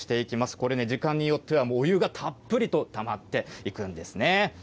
これね、時間によってはもうお湯がたっぷりとたまっていくんですね。